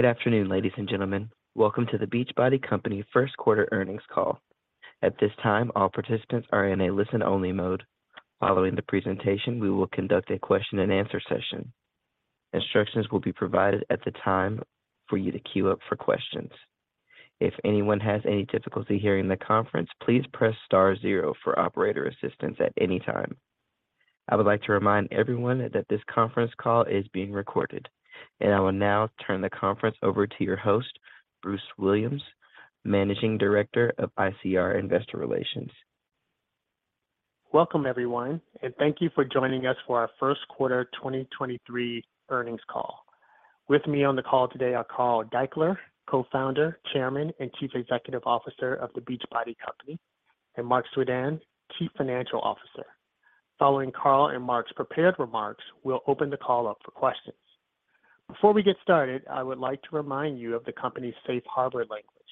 Good afternoon, ladies and gentlemen. Welcome to The Beachbody Company Q1 earnings call. At this time, all participants are in a listen-only mode. Following the presentation, we will conduct a question-and-answer session. Instructions will be provided at the time for you to queue up for questions. If anyone has any difficulty hearing the conference, please press star zero for operator assistance at any time. I would like to remind everyone that this conference call is being recorded. I will now turn the conference over to your host, Bruce Williams, Managing Director of ICR Investor Relations. Welcome, everyone, and thank you for joining us for our Q1 2023 earnings call. With me on the call today are Carl Daikeler, Co-founder, Chairman, and CEO of The Beachbody Company, and Marc Suidan, CFO. Following Carl and Marc's prepared remarks, we'll open the call up for questions. Before we get started, I would like to remind you of the company's safe harbor language.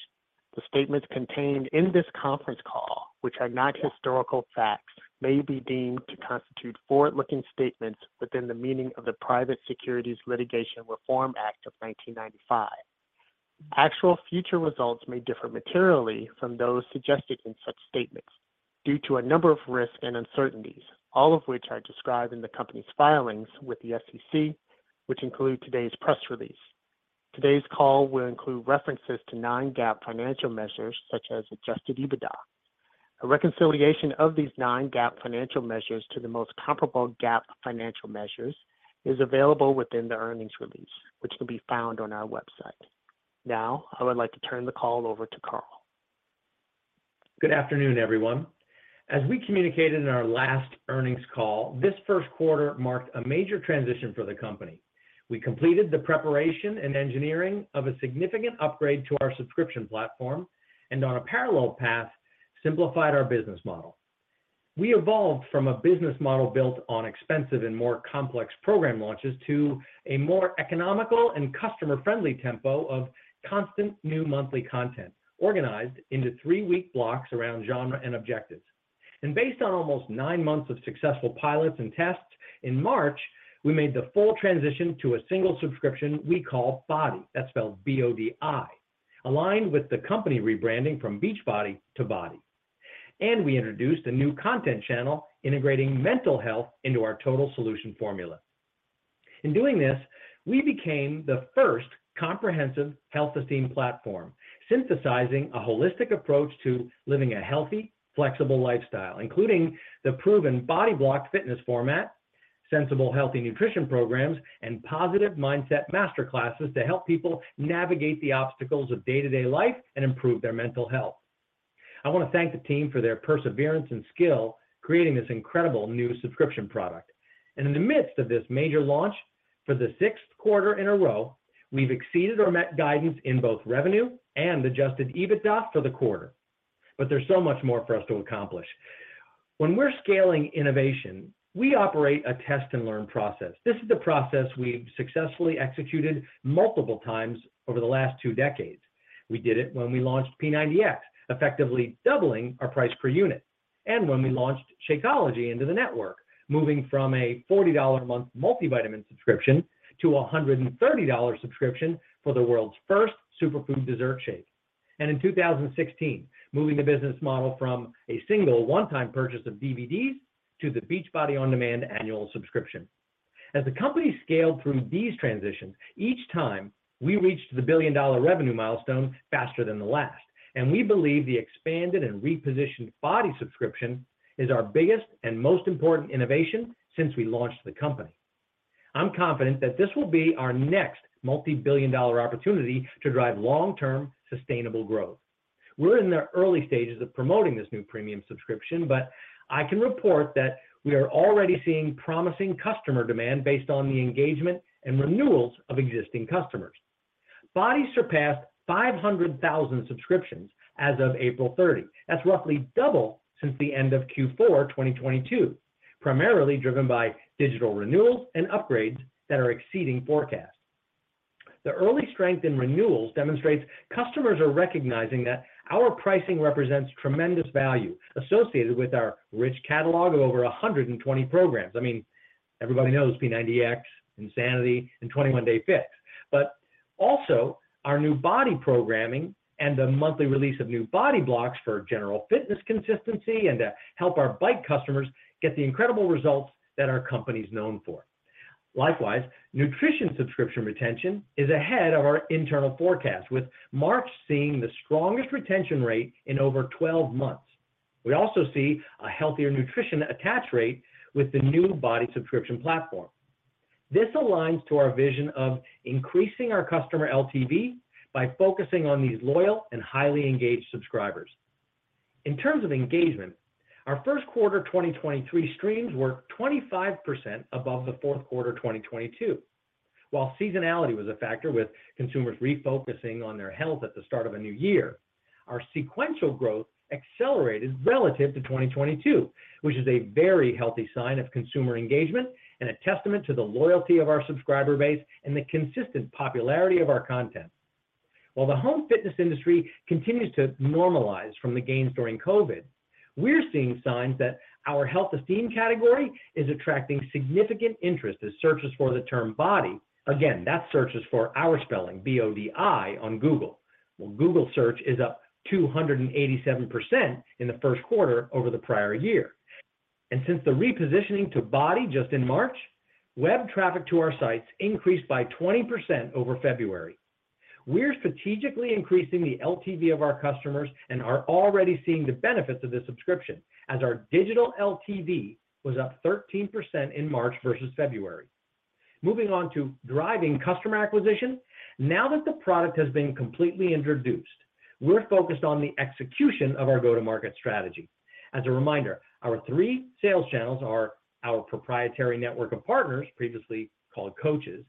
The statements contained in this conference call, which are not historical facts, may be deemed to constitute forward-looking statements within the meaning of the Private Securities Litigation Reform Act of 1995. Actual future results may differ materially from those suggested in such statements due to a number of risks and uncertainties, all of which are described in the company's filings with the SEC, which include today's press release. Today's call will include references to non-GAAP financial measures such as Adjusted EBITDA. A reconciliation of these non-GAAP financial measures to the most comparable GAAP financial measures is available within the earnings release, which can be found on our website. Now, I would like to turn the call over to Carl. Good afternoon, everyone. As we communicated in our last earnings call, this Q1 marked a major transition for the company. We completed the preparation and engineering of a significant upgrade to our subscription platform, on a parallel path, simplified our business model. We evolved from a business model built on expensive and more complex program launches to a more economical and customer-friendly tempo of constant new monthly content organized into 3-week blocks around genre and objectives. Based on almost 9 months of successful pilots and tests, in March, we made the full transition to a single subscription we call BODi, that's spelled B-O-D-I, aligned with the company rebranding from Beachbody to BODi. We introduced a new content channel integrating mental health into our total solution formula. In doing this, we became the first comprehensive Health Esteem platform, synthesizing a holistic approach to living a healthy, flexible lifestyle, including the proven BODi Block fitness format, sensible healthy nutrition programs, and positive mindset master classes to help people navigate the obstacles of day-to-day life and improve their mental health. I want to thank the team for their perseverance and skill creating this incredible new subscription product. In the midst of this major launch, for the sixth quarter in a row, we've exceeded or met guidance in both revenue and Adjusted EBITDA for the quarter. There's so much more for us to accomplish. When we're scaling innovation, we operate a test-and-learn process. This is the process we've successfully executed multiple times over the last two decades. We did it when we launched P90X, effectively doubling our price per unit. When we launched Shakeology into the network, moving from a $40 a month multivitamin subscription to a $130 subscription for the world's first superfood dessert shake. In 2016, moving the business model from a single one-time purchase of DVDs to the Beachbody On Demand annual subscription. As the company scaled through these transitions, each time we reached the billion-dollar revenue milestone faster than the last, and we believe the expanded and repositioned BODi subscription is our biggest and most important innovation since we launched the company. I'm confident that this will be our next multi-billion dollar opportunity to drive long-term sustainable growth. We're in the early stages of promoting this new premium subscription, but I can report that we are already seeing promising customer demand based on the engagement and renewals of existing customers. BODi surpassed 500,000 subscriptions as of April thirty. That's roughly double since the end of Q4 2022, primarily driven by digital renewals and upgrades that are exceeding forecasts. The early strength in renewals demonstrates customers are recognizing that our pricing represents tremendous value associated with our rich catalog of over 120 programs. I mean, everybody knows P90X, INSANITY, and 21 Day Fix, but also our new BODi programming and the monthly release of new BODi Blocks for general fitness consistency and to help our bike customers get the incredible results that our company's known for. Likewise, nutrition subscription retention is ahead of our internal forecast, with March seeing the strongest retention rate in over 12 months. We also see a healthier nutrition attach rate with the new BODi subscription platform. This aligns to our vision of increasing our customer LTV by focusing on these loyal and highly engaged subscribers. In terms of engagement, our Q1 2023 streams were 25% above the Q4 2022. While seasonality was a factor with consumers refocusing on their health at the start of a new year, our sequential growth accelerated relative to 2022, which is a very healthy sign of consumer engagement and a testament to the loyalty of our subscriber base and the consistent popularity of our content. While the home fitness industry continues to normalize from the gains during COVID, we're seeing signs that our Health Esteem category is attracting significant interest as searches for the term BODi, again, that search is for our spelling, B-O-D-I, on Google. Well, Google search is up 287% in the Q1 over the prior year. Since the repositioning to BODi just in March, web traffic to our sites increased by 20% over February. We're strategically increasing the LTV of our customers and are already seeing the benefits of the subscription as our digital LTV was up 13% in March versus February. Moving on to driving customer acquisition. Now that the product has been completely introduced, we're focused on the execution of our go-to-market strategy. As a reminder, our three sales channels are our proprietary network of partners, previously called coaches,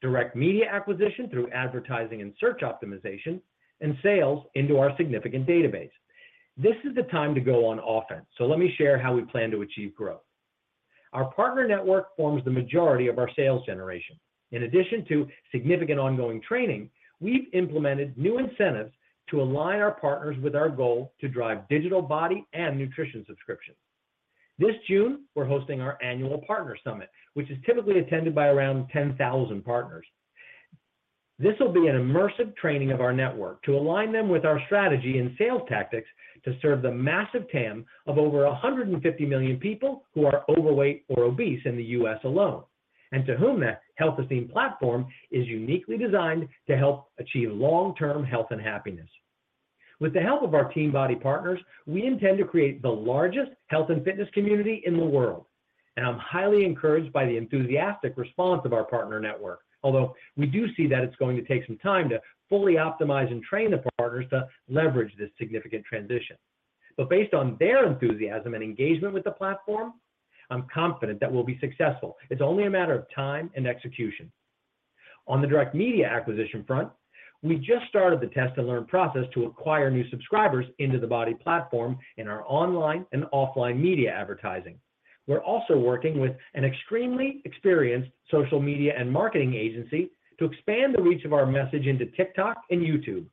direct media acquisition through advertising and search optimization, and sales into our significant database. This is the time to go on offense, so let me share how we plan to achieve growth. Our partner network forms the majority of our sales generation. In addition to significant ongoing training, we've implemented new incentives to align our partners with our goal to drive digital BODi and nutrition subscriptions. This June, we're hosting our annual partner summit, which is typically attended by around 10,000 partners. This will be an immersive training of our network to align them with our strategy and sales tactics to serve the massive TAM of over 150 million people who are overweight or obese in the US alone, and to whom that Health Esteem platform is uniquely designed to help achieve long-term health and happiness. With the help of our Team BODi partners, we intend to create the largest health and fitness community in the world, and I'm highly encouraged by the enthusiastic response of our partner network. We do see that it's going to take some time to fully optimize and train the partners to leverage this significant transition. Based on their enthusiasm and engagement with the platform, I'm confident that we'll be successful. It's only a matter of time and execution. On the direct media acquisition front, we just started the test and learn process to acquire new subscribers into the BODi platform in our online and offline media advertising. We're also working with an extremely experienced social media and marketing agency to expand the reach of our message into TikTok and YouTube.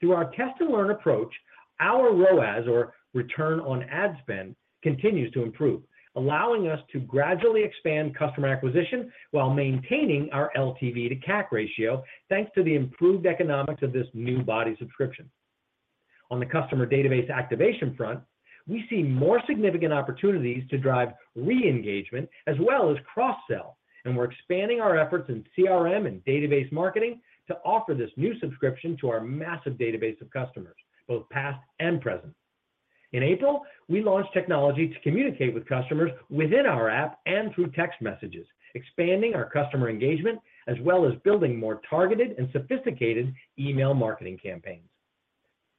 Through our test and learn approach, our ROAS, or return on ad spend, continues to improve, allowing us to gradually expand customer acquisition while maintaining our LTV to CAC ratio, thanks to the improved economics of this new BODi subscription. On the customer database activation front, we see more significant opportunities to drive re-engagement as well as cross-sell, we're expanding our efforts in CRM and database marketing to offer this new subscription to our massive database of customers, both past and present. In April, we launched technology to communicate with customers within our app and through text messages, expanding our customer engagement as well as building more targeted and sophisticated email marketing campaigns.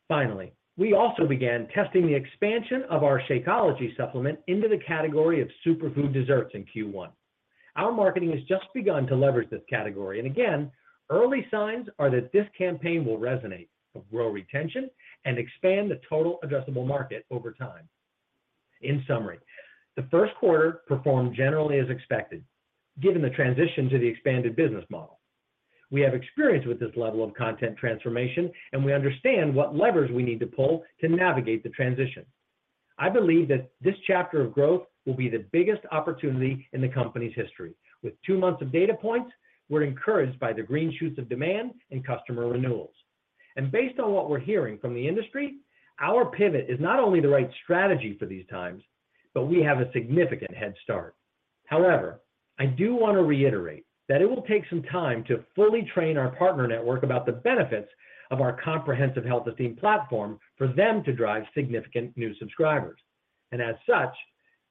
Finally, we also began testing the expansion of our Shakeology supplement into the category of superfood desserts in Q1. Our marketing has just begun to leverage this category. Again, early signs are that this campaign will resonate, will grow retention, and expand the total addressable market over time. In summary, the Q1 performed generally as expected given the transition to the expanded business model. We have experience with this level of content transformation, and we understand what levers we need to pull to navigate the transition. I believe that this chapter of growth will be the biggest opportunity in the company's history. With two months of data points, we're encouraged by the green shoots of demand and customer renewals. Based on what we're hearing from the industry, our pivot is not only the right strategy for these times, but we have a significant head start. However, I do want to reiterate that it will take some time to fully train our partner network about the benefits of our comprehensive Health Esteem platform for them to drive significant new subscribers. As such,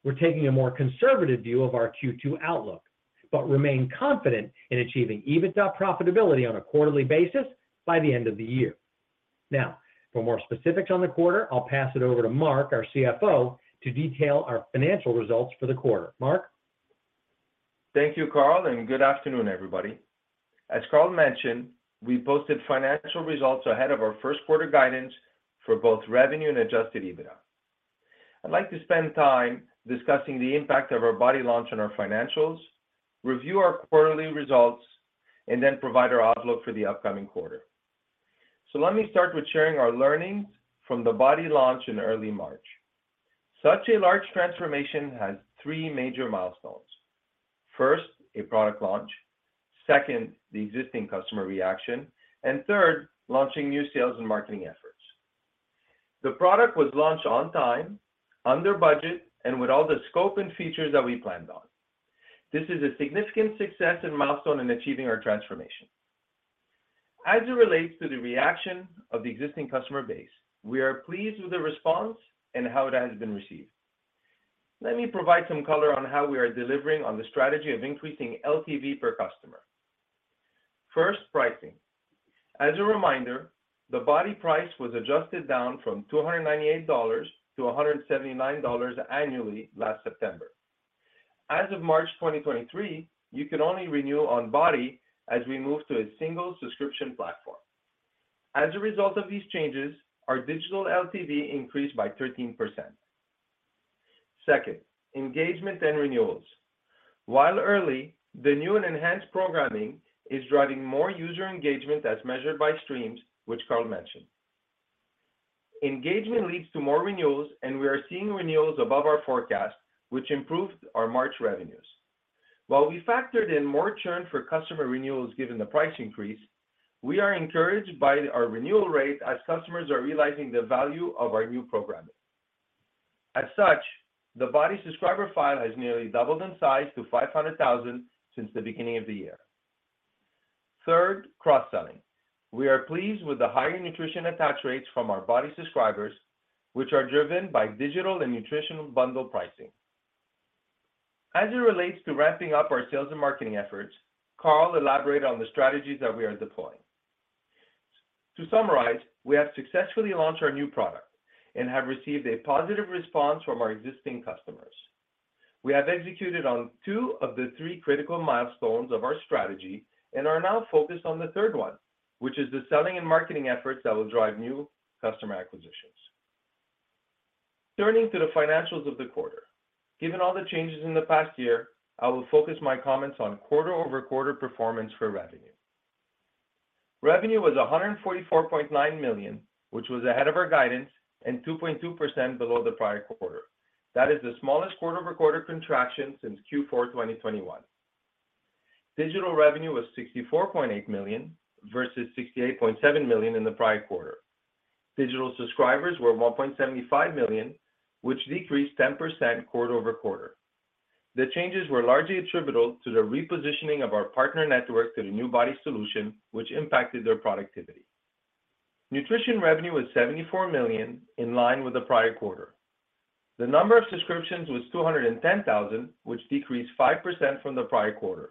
we're taking a more conservative view of our Q2 outlook, but remain confident in achieving EBITDA profitability on a quarterly basis by the end of the year. For more specifics on the quarter, I'll pass it over to Marc, our CFO, to detail our financial results for the quarter. Marc? Thank you, Carl, good afternoon, everybody. As Carl mentioned, we posted financial results ahead of our Q1 guidance for both revenue and Adjusted EBITDA. I'd like to spend time discussing the impact of our BODi launch on our financials, review our quarterly results, then provide our outlook for the upcoming quarter. Let me start with sharing our learnings from the BODi launch in early March. Such a large transformation has three major milestones. First, a product launch, second, the existing customer reaction, third, launching new sales and marketing efforts. The product was launched on time, under budget, and with all the scope and features that we planned on. This is a significant success and milestone in achieving our transformation. As it relates to the reaction of the existing customer base, we are pleased with the response and how it has been received. Let me provide some color on how we are delivering on the strategy of increasing LTV per customer. First, pricing. As a reminder, the BODi price was adjusted down from $298 to $179 annually last September. As of March 2023, you can only renew on BODi as we move to a single subscription platform. As a result of these changes, our digital LTV increased by 13%. Second, engagement and renewals. While early, the new and enhanced programming is driving more user engagement as measured by streams, which Carl mentioned. Engagement leads to more renewals, we are seeing renewals above our forecast, which improved our March revenues. While we factored in more churn for customer renewals given the price increase, we are encouraged by our renewal rate as customers are realizing the value of our new programming. As such, the BODi subscriber file has nearly doubled in size to 500,000 since the beginning of the year. Third, cross-selling. We are pleased with the higher nutrition attach rates from our BODi subscribers, which are driven by digital and nutritional bundle pricing. As it relates to ramping up our sales and marketing efforts, Carl elaborated on the strategies that we are deploying. To summarize, we have successfully launched our new product and have received a positive response from our existing customers. We have executed on two of the three critical milestones of our strategy and are now focused on the third one, which is the selling and marketing efforts that will drive new customer acquisitions. Turning to the financials of the quarter. Given all the changes in the past year, I will focus my comments on quarter-over-quarter performance for revenue. Revenue was $144.9 million, which was ahead of our guidance and 2.2% below the prior quarter. That is the smallest quarter-over-quarter contraction since Q4 2021. Digital revenue was $64.8 million versus $68.7 million in the prior quarter. Digital subscribers were 1.75 million, which decreased 10% quarter-over-quarter. The changes were largely attributable to the repositioning of our partner network to the new BODi solution, which impacted their productivity. Nutrition revenue was $74 million, in line with the prior quarter. The number of subscriptions was 210,000, which decreased 5% from the prior quarter.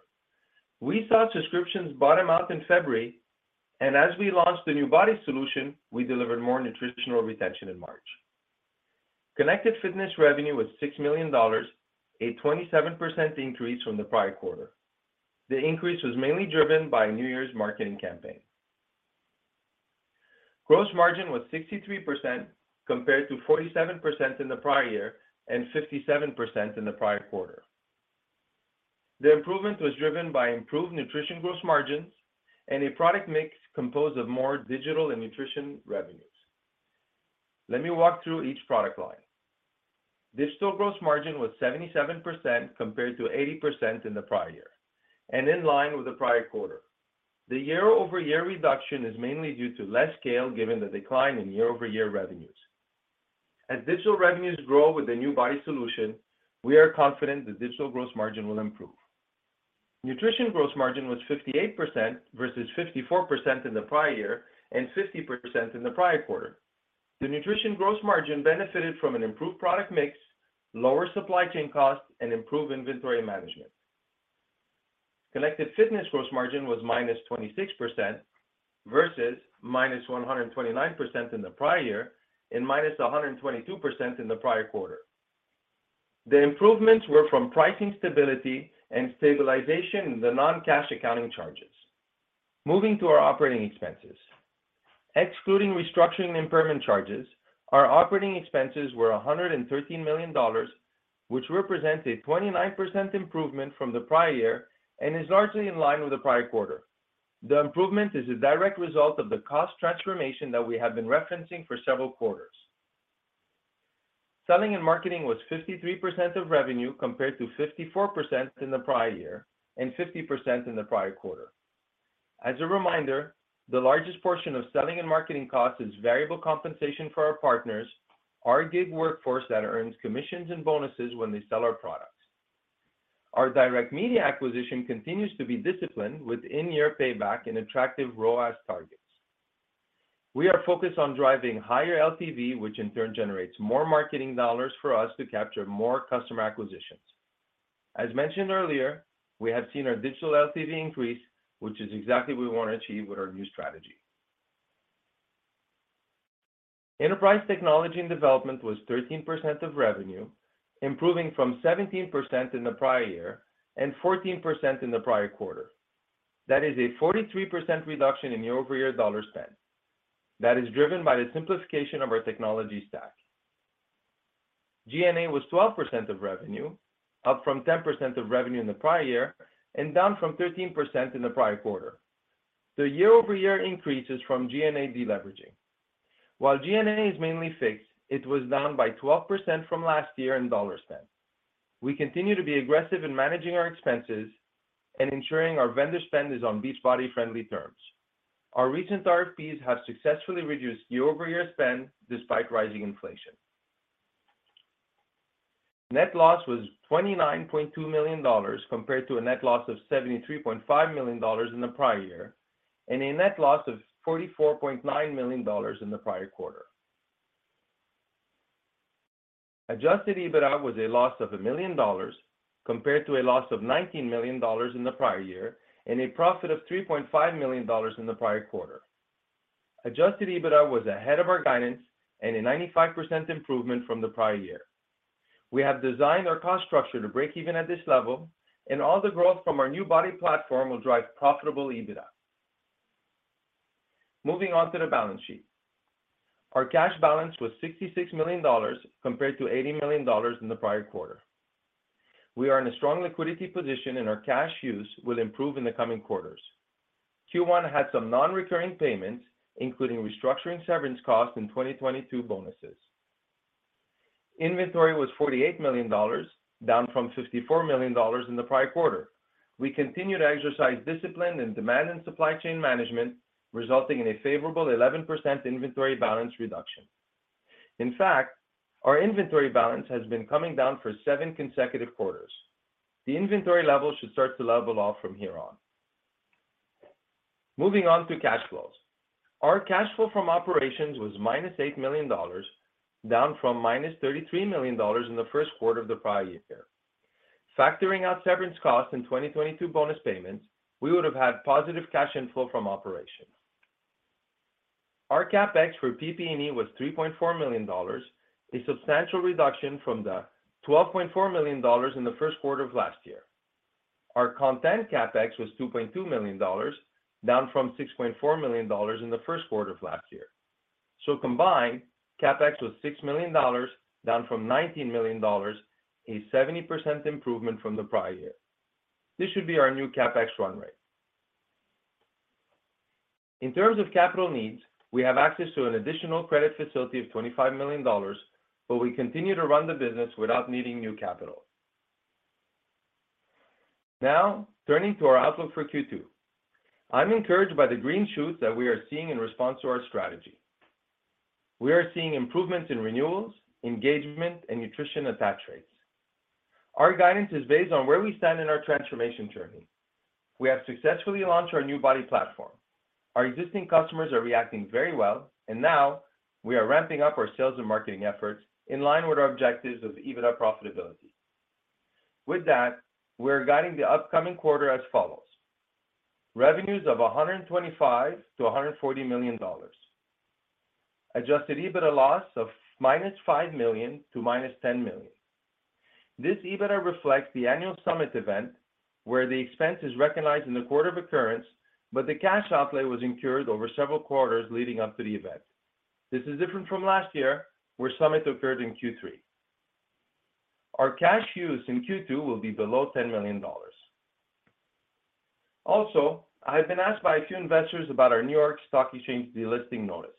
We saw subscriptions bottom out in February, as we launched the new BODi solution, we delivered more nutritional retention in March. Connected Fitness revenue was $6 million, a 27% increase from the prior quarter. The increase was mainly driven by New Year's marketing campaign. Gross margin was 63% compared to 47% in the prior year and 57% in the prior quarter. The improvement was driven by improved nutrition gross margins and a product mix composed of more digital and nutrition revenues. Let me walk through each product line. Digital gross margin was 77% compared to 80% in the prior year and in line with the prior quarter. The year-over-year reduction is mainly due to less scale given the decline in year-over-year revenues. As digital revenues grow with the new BODi solution, we are confident the digital gross margin will improve. Nutrition gross margin was 58% versus 54% in the prior year and 50% in the prior quarter. The nutrition gross margin benefited from an improved product mix, lower supply chain costs, and improved inventory management. Connected Fitness gross margin was -26% versus -129% in the prior year and -122% in the prior quarter. The improvements were from pricing stability and stabilization in the non-cash accounting charges. Moving to our operating expenses. Excluding restructuring impairment charges, our operating expenses were $113 million, which represents a 29% improvement from the prior year and is largely in line with the prior quarter. The improvement is a direct result of the cost transformation that we have been referencing for several quarters. Selling and marketing was 53% of revenue compared to 54% in the prior year and 50% in the prior quarter. As a reminder, the largest portion of selling and marketing cost is variable compensation for our partners, our gig workforce that earns commissions and bonuses when they sell our products. Our direct media acquisition continues to be disciplined with in-year payback and attractive ROAS targets. We are focused on driving higher LTV, which in turn generates more marketing dollars for us to capture more customer acquisitions. As mentioned earlier, we have seen our digital LTV increase, which is exactly we want to achieve with our new strategy. Enterprise technology and development was 13% of revenue, improving from 17% in the prior year and 14% in the prior quarter. That is a 43% reduction in year-over-year dollar spend. That is driven by the simplification of our technology stack. G&A was 12% of revenue, up from 10% of revenue in the prior year and down from 13% in the prior quarter. The year-over-year increase is from G&A deleveraging. While G&A is mainly fixed, it was down by 12% from last year in dollar spend. We continue to be aggressive in managing our expenses and ensuring our vendor spend is on Beachbody-friendly terms. Our recent RFPs have successfully reduced year-over-year spend despite rising inflation. Net loss was $29.2 million compared to a net loss of $73.5 million in the prior year, and a net loss of $44.9 million in the prior quarter. Adjusted EBITDA was a loss of $1 million compared to a loss of $19 million in the prior year and a profit of $3.5 million in the prior quarter. Adjusted EBITDA was ahead of our guidance and a 95% improvement from the prior year. We have designed our cost structure to break even at this level, and all the growth from our new BODi platform will drive profitable EBITDA. Moving on to the balance sheet. Our cash balance was $66 million compared to $80 million in the prior quarter. We are in a strong liquidity position, and our cash use will improve in the coming quarters. Q1 had some non-recurring payments, including restructuring severance costs and 2022 bonuses. Inventory was $48 million, down from $54 million in the prior quarter. We continue to exercise discipline in demand and supply chain management, resulting in a favorable 11% inventory balance reduction. In fact, our inventory balance has been coming down for seven consecutive quarters. The inventory level should start to level off from here on. Moving on to cash flows. Our cash flow from operations was -$8 million, down from -$33 million in the Q1 of the prior year. Factoring out severance costs and 2022 bonus payments, we would have had positive cash inflow from operations. Our CapEx for PP&E was $3.4 million, a substantial reduction from the $12.4 million in the Q1 of last year. Our content CapEx was $2.2 million, down from $6.4 million in the Q1 of last year. Combined, CapEx was $6 million, down from $19 million, a 70% improvement from the prior year. This should be our new CapEx run rate. In terms of capital needs, we have access to an additional credit facility of $25 million. We continue to run the business without needing new capital. Turning to our outlook for Q2. I'm encouraged by the green shoots that we are seeing in response to our strategy. We are seeing improvements in renewals, engagement, and nutrition attach rates. Our guidance is based on where we stand in our transformation journey. We have successfully launched our new BODi platform. Our existing customers are reacting very well. Now we are ramping up our sales and marketing efforts in line with our objectives of EBITDA profitability. We're guiding the upcoming quarter as follows: Revenues of $125 million-$140 million. Adjusted EBITDA loss of -$5 million to -$10 million. This EBITDA reflects the annual Summit event, where the expense is recognized in the quarter of occurrence, but the cash outlay was incurred over several quarters leading up to the event. This is different from last year, where Summit occurred in Q3. Our cash use in Q2 will be below $10 million. I've been asked by a few investors about our New York Stock Exchange delisting notice.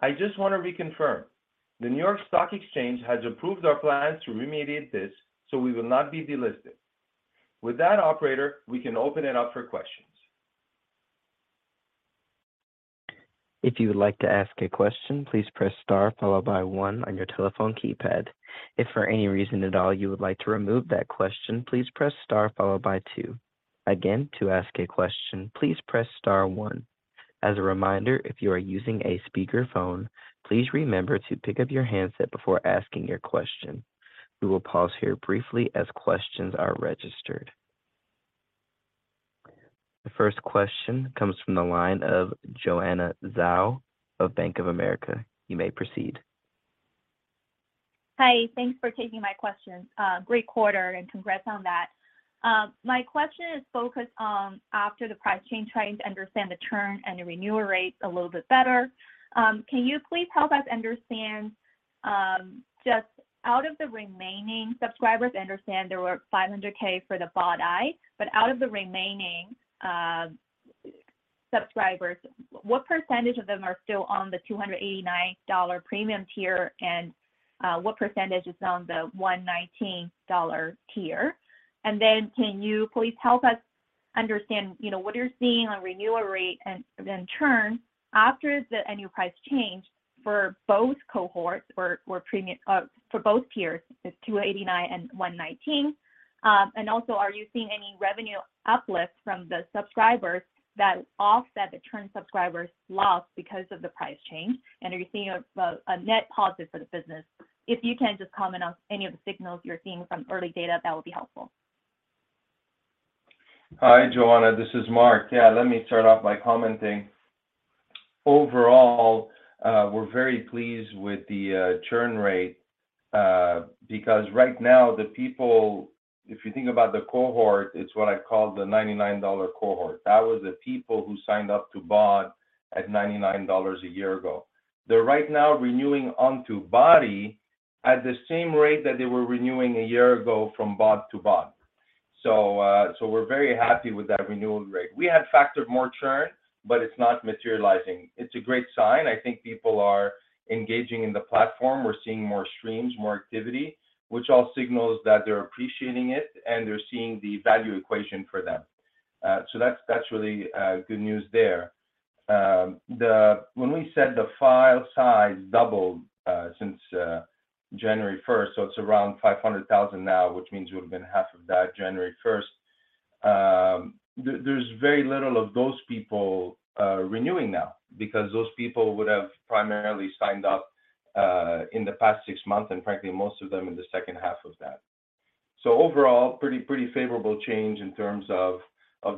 I just want to reconfirm, the New York Stock Exchange has approved our plans to remediate this, so we will not be delisted. Operator, we can open it up for questions. If you would like to ask a question, please press star followed by one on your telephone keypad. If for any reason at all you would like to remove that question, please press star followed by two. Again, to ask a question, please press star one. As a reminder, if you are using a speakerphone, please remember to pick up your handset before asking your question. We will pause here briefly as questions are registered. The first question comes from the line of Joanna Zhao of Bank of America. You may proceed. Hi. Thanks for taking my question. Great quarter, and congrats on that. My question is focused on after the price change, trying to understand the churn and the renewal rates a little bit better. Can you please help us understand, just out of the remaining subscribers, I understand there were 500K for the BODi, but out of the remaining subscribers, what percentage of them are still on the $289 premium tier, and what percentage is on the $119 tier? Can you please help us understand, you know, what you're seeing on renewal rate and then churn after the annual price change for both cohorts or for both tiers, the $289 and $119. Are you seeing any revenue uplift from the subscribers that offset the churn subscribers lost because of the price change? Are you seeing a net positive for the business? If you can just comment on any of the signals you're seeing from early data, that would be helpful. Hi, Joanna. This is Marc. Let me start off by commenting. Overall, we're very pleased with the churn rate because right now the people, if you think about the cohort, it's what I call the $99 cohort. That was the people who signed up to BOD at $99 a year ago. They're right now renewing onto BODi at the same rate that they were renewing a year ago from BOD to BOD. We're very happy with that renewal rate. We had factored more churn. It's not materializing. It's a great sign. I think people are engaging in the platform. We're seeing more streams, more activity, which all signals that they're appreciating it, and they're seeing the value equation for them. That's really good news there. When we said the file size doubled since January first, so it's around 500,000 now, which means it would've been half of that January first. There's very little of those people renewing now because those people would have primarily signed up in the past 6 months and frankly, most of them in the second half of that. Overall, pretty favorable change in terms of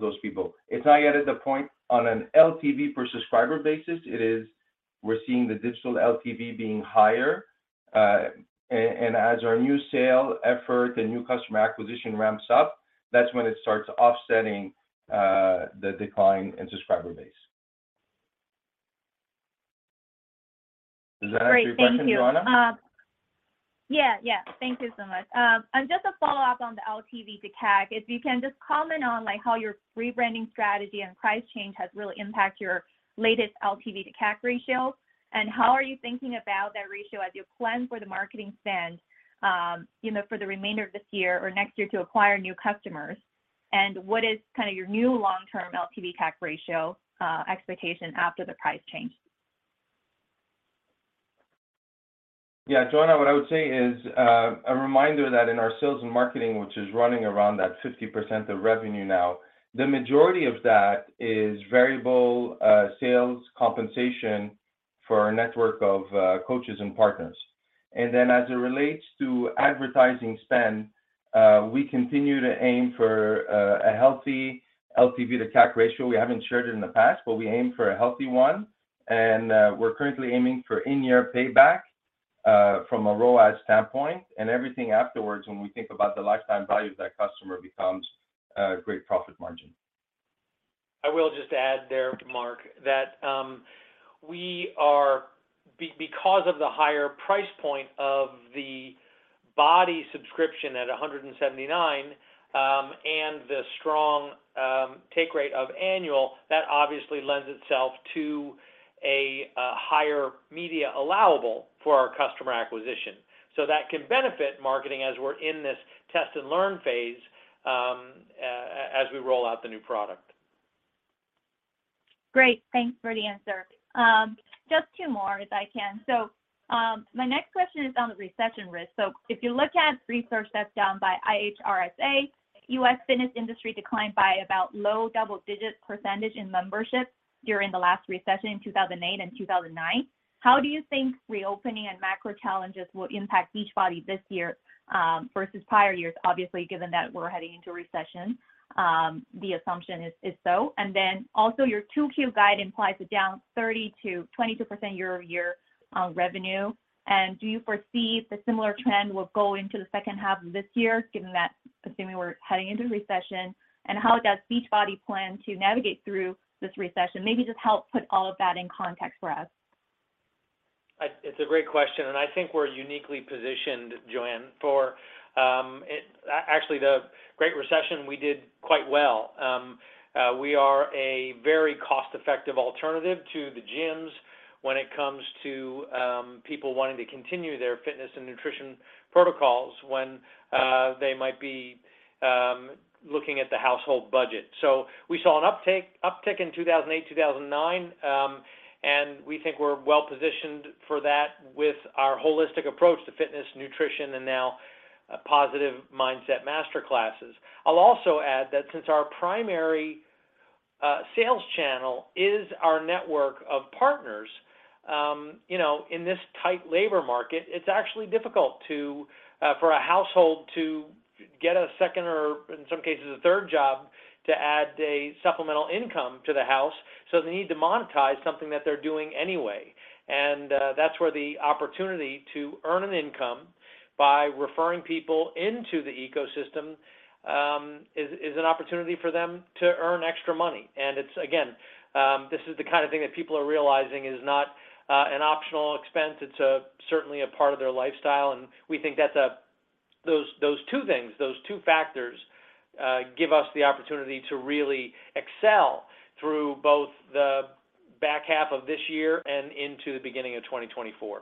those people. It's not yet at the point on an LTV per subscriber basis. We're seeing the digital LTV being higher. And as our new sale effort and new customer acquisition ramps up, that's when it starts offsetting the decline in subscriber base. Does that answer your question, Joanna? Great. Thank you. Yeah, yeah. Thank you so much. Just a follow-up on the LTV to CAC, if you can just comment on like how your rebranding strategy and price change has really impact your latest LTV to CAC ratio, and how are you thinking about that ratio as you plan for the marketing spend, you know, for the remainder of this year or next year to acquire new customers? What is kind of your new long-term LTV CAC ratio, expectation after the price change? Yeah, Joanna, what I would say is a reminder that in our sales and marketing, which is running around that 50% of revenue now, the majority of that is variable sales compensation for our network of coaches and partners. Then as it relates to advertising spend, we continue to aim for a healthy LTV to CAC ratio. We haven't shared it in the past, but we aim for a healthy one, and we're currently aiming for in-year payback from a ROAS standpoint. Everything afterwards when we think about the lifetime value of that customer becomes a great profit margin. I will just add there, Marc, that, we are because of the higher price point of the BODi subscription at $179, and the strong take rate of annual, that obviously lends itself to a higher media allowable for our customer acquisition. That can benefit marketing as we're in this test and learn phase, as we roll out the new product. Great. Thanks for the answer. Just two more if I can. My next question is on the recession risk. If you look at research that's done by IHRSA, U.S. fitness industry declined by about low double-digit % in membership during the last recession in 2008 and 2009. How do you think reopening and macro challenges will impact Beachbody this year, versus prior years? Obviously, given that we're heading into a recession, the assumption is so. Your 2Q guide implies a down 30%-22% year-over-year revenue, and do you foresee the similar trend will go into the second half of this year given that assuming we're heading into recession, and how does Beachbody plan to navigate through this recession? Maybe just help put all of that in context for us. It's a great question, and I think we're uniquely positioned, Joanne, for actually, the Great Recession, we did quite well. We are a very cost-effective alternative to the gyms when it comes to people wanting to continue their fitness and nutrition protocols when they might be looking at the household budget. We saw an uptick in 2008, 2009, and we think we're well-positioned for that with our holistic approach to fitness, nutrition, and now positive mindset master classes. I'll also add that since our primary sales channel is our network of partners, you know, in this tight labor market, it's actually difficult to for a household to get a second or in some cases a third job to add a supplemental income to the house. They need to monetize something that they're doing anyway. That's where the opportunity to earn an income by referring people into the ecosystem, is an opportunity for them to earn extra money. It's, again, this is the kind of thing that people are realizing is not an optional expense. It's certainly a part of their lifestyle, and we think that's those two things, those two factors, give us the opportunity to really excel through both the back half of this year and into the beginning of 2024.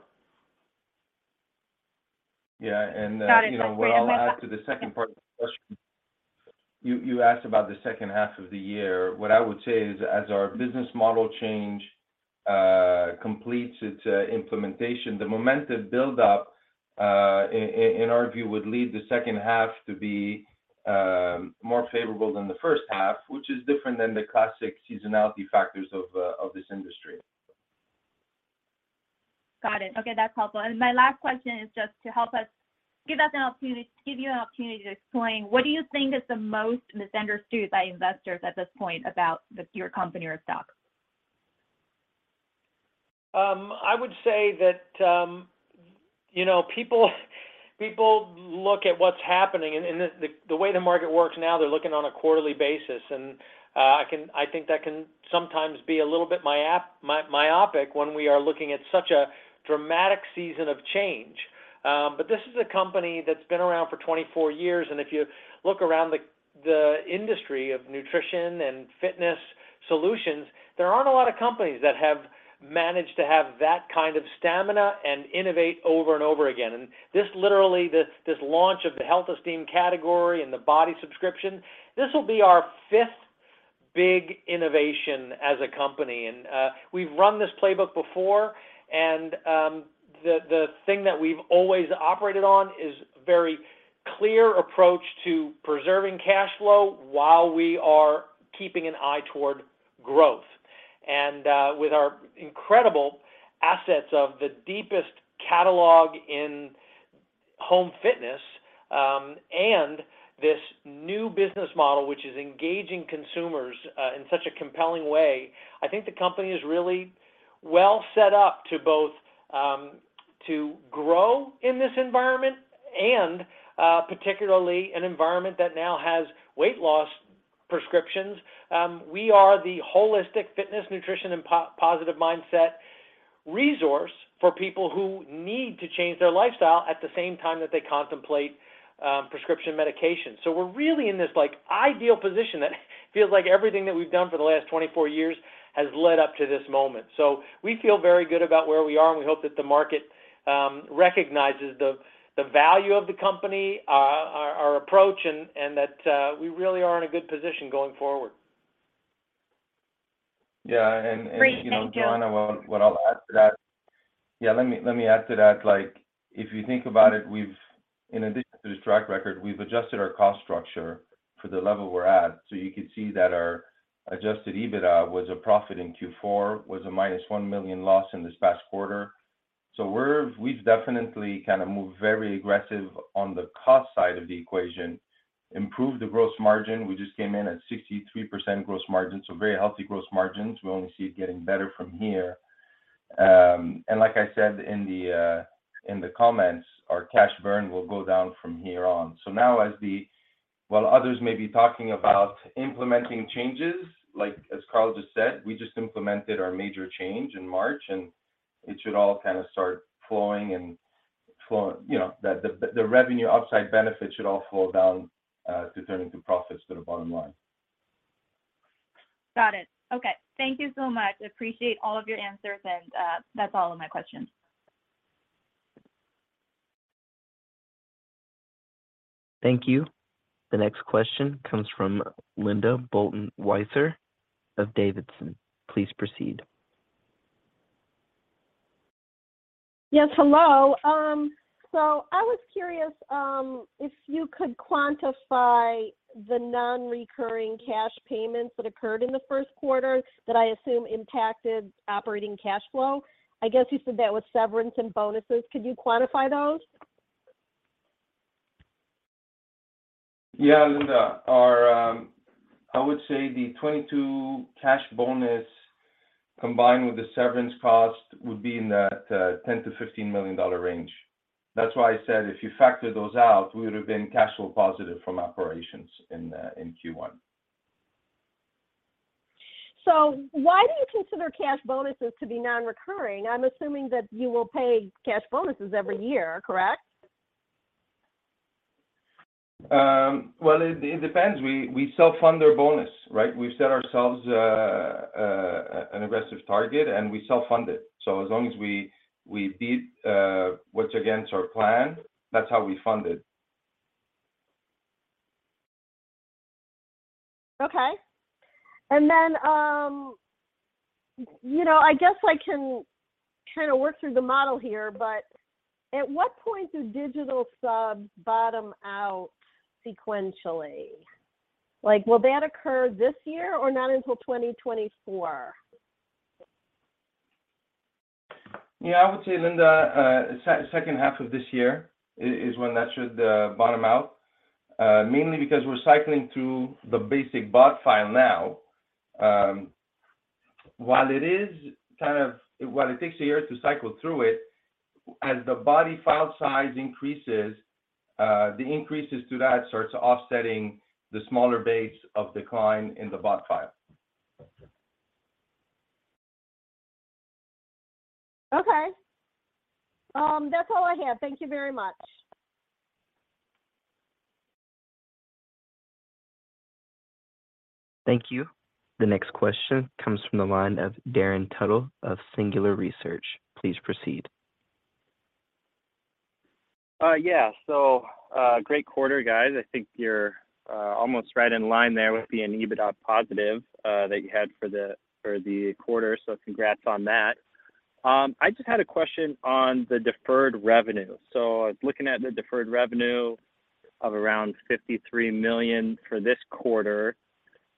Yeah. you know. Got it. Great. my last What I'll add to the second part of the question, you asked about the second half of the year. What I would say is, as our business model change completes its implementation, the momentum buildup in our view, would lead the second half to be more favorable than the first half, which is different than the classic seasonality factors of this industry. Got it. Okay, that's helpful. My last question is just to help us give you an opportunity to explain what do you think is the most misunderstood by investors at this point about your company or stock? I would say that, you know, people look at what's happening, and the way the market works now, they're looking on a quarterly basis. I think that can sometimes be a little bit myopic when we are looking at such a dramatic season of change. This is a company that's been around for 24 years, and if you look around the industry of nutrition and fitness solutions, there aren't a lot of companies that have managed to have that kind of stamina and innovate over and over again. This literally, this launch of the Health Esteem category and the BODi subscription, this will be our fifth big innovation as a company. We've run this playbook before, and the thing that we've always operated on is very clear approach to preserving cash flow while we are keeping an eye toward growth. With our incredible assets of the deepest catalog in Home fitness, and this new business model, which is engaging consumers, in such a compelling way, I think the company is really well set up to both, to grow in this environment and particularly an environment that now has weight loss prescriptions. We are the holistic fitness, nutrition and positive mindset resource for people who need to change their lifestyle at the same time that they contemplate, prescription medications. We're really in this, like, ideal position that feels like everything that we've done for the last 24 years has led up to this moment. We feel very good about where we are, and we hope that the market, recognizes the value of the company, our approach and that, we really are in a good position going forward. Yeah. Great. Thank you you know, Joanna, what I'll add to that. Yeah, let me add to that. Like, if you think about it, we've. In addition to this track record, we've adjusted our cost structure for the level we're at. You could see that our Adjusted EBITDA was a profit in Q4, was a minus $1 million loss in this past quarter. We've definitely kind of moved very aggressive on the cost side of the equation, improved the gross margin. We just came in at 63% gross margin, so very healthy gross margins. We only see it getting better from here. And like I said in the comments, our cash burn will go down from here on. Now as the. While others may be talking about implementing changes, like as Carl just said, we just implemented our major change in March, and it should all kind of start flowing and flow. You know, the, the revenue upside benefit should all flow down, to turn into profits to the bottom line. Got it. Okay. Thank you so much. Appreciate all of your answers and, that's all of my questions. Thank you. The next question comes from Linda Bolton Weiser of D.A. Davidson. Please proceed. Yes, hello. I was curious if you could quantify the non-recurring cash payments that occurred in the Q1 that I assume impacted operating cash flow. I guess you said that was severance and bonuses. Could you quantify those? Yeah. Linda, our I would say the 2022 cash bonus combined with the severance cost would be in that $10 million-$15 million range. That's why I said if you factor those out, we would've been cash flow positive from operations in Q1. Why do you consider cash bonuses to be non-recurring? I'm assuming that you will pay cash bonuses every year, correct? Well, it depends. We self-fund our bonus, right? We've set ourselves an aggressive target and we self-fund it. As long as we beat what's against our plan, that's how we fund it. Okay. You know, I guess I can kind of work through the model here, but at what point do digital subs bottom out sequentially? Like, will that occur this year or not until 2024? Yeah, I would say, Linda, second half of this year is when that should bottom out, mainly because we're cycling through the basic BOD file now. While it takes a year to cycle through it, as the BODi file size increases, the increases to that starts offsetting the smaller base of decline in the BOD file. Okay. That's all I have. Thank you very much. Thank you. The next question comes from the line of Darin Tuttle of Singular Research. Please proceed. Yeah. Great quarter, guys. I think you're almost right in line there with being EBITDA positive that you had for the quarter. Congrats on that. I just had a question on the deferred revenue. I was looking at the deferred revenue of around $53 million for this quarter.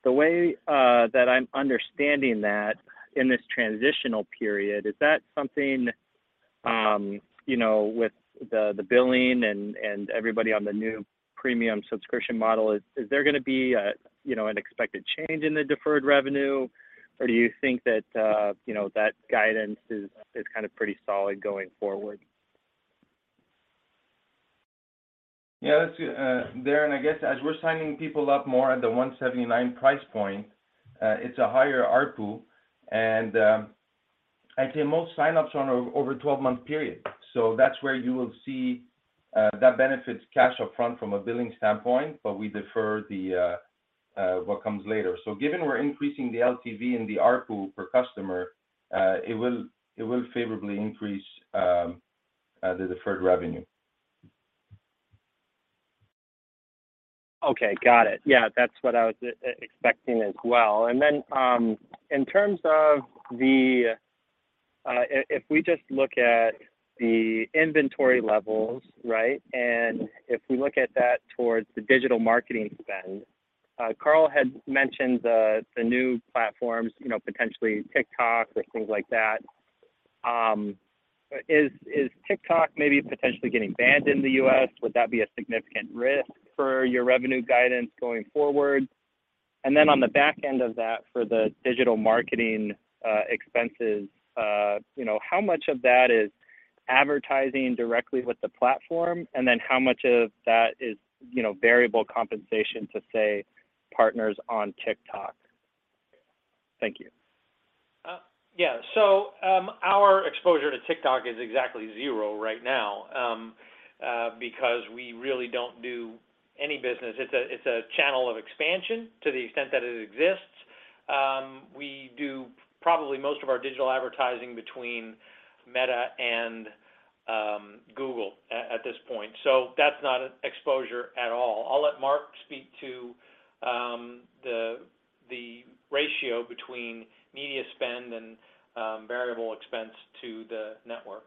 The way that I'm understanding that in this transitional period, is that something, you know, with the billing and everybody on the new premium subscription model, is there gonna be a, you know, an expected change in the deferred revenue or do you think that, you know, that guidance is kind of pretty solid going forward? Yeah. Let's see, Darin, I guess as we're signing people up more at the $179 price point, it's a higher ARPU and, actually most signups are over 12-month period. That's where you will see, that benefits cash upfront from a billing standpoint, but we defer the, what comes later. Given we're increasing the LTV and the ARPU per customer, it will favorably increase, the deferred revenue. Okay. Got it. Yeah, that's what I was expecting as well. In terms of the if we just look at the inventory levels, right. If we look at that towards the digital marketing spend, Carl had mentioned the new platforms, you know, potentially TikTok or things like that. Is TikTok maybe potentially getting banned in the U.S.? Would that be a significant risk for your revenue guidance going forward? Then on the back end of that, for the digital marketing, expenses, you know, how much of that is advertising directly with the platform, and then how much of that is, you know, variable compensation to, say, partners on TikTok? Thank you. Yeah. Our exposure to TikTok is exactly zero right now because we really don't do any business. It's a channel of expansion to the extent that it exists. We do probably most of our digital advertising between Meta and Google at this point. That's not an exposure at all. I'll let Marc speak to the ratio between media spend and variable expense to the network.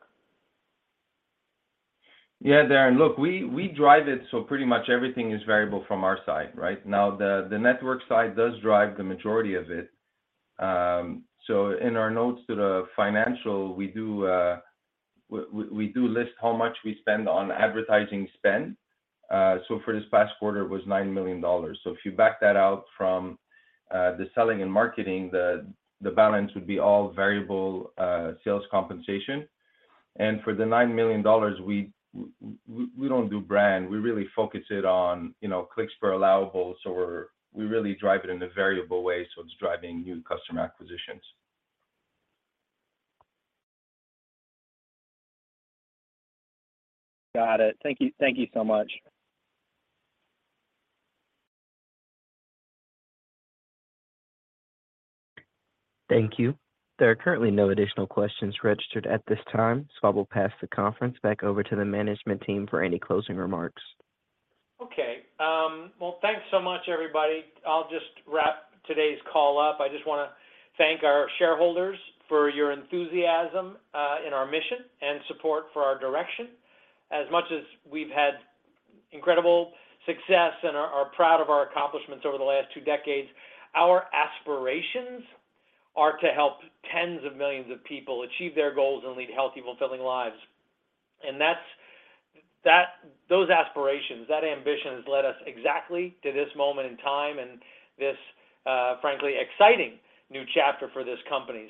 Yeah, Darin. Look, we drive it so pretty much everything is variable from our side, right? The network side does drive the majority of it. In our notes to the financial, we do list how much we spend on advertising spend. For this past quarter, it was $9 million. If you back that out from the selling and marketing, the balance would be all variable sales compensation. For the $9 million, we don't do brand. We really focus it on, you know, clicks per allowable. We really drive it in a variable way, so it's driving new customer acquisitions. Got it. Thank you. Thank you so much. Thank you. There are currently no additional questions registered at this time, I will pass the conference back over to the management team for any closing remarks. Okay. Well, thanks so much, everybody. I'll just wrap today's call up. I just wanna thank our shareholders for your enthusiasm in our mission and support for our direction. As much as we've had incredible success and are proud of our accomplishments over the last two decades, our aspirations are to help tens of millions of people achieve their goals and lead healthy, fulfilling lives. Those aspirations, that ambition has led us exactly to this moment in time and this, frankly, exciting new chapter for this company.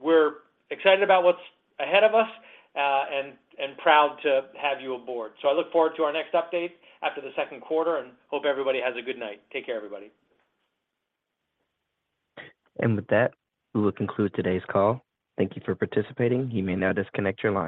We're excited about what's ahead of us and proud to have you aboard. I look forward to our next update after the Q2, and hope everybody has a good night. Take care, everybody. With that, we will conclude today's call. Thank you for participating. You may now disconnect your line.